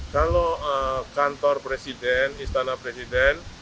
kalau kantor presiden istana presiden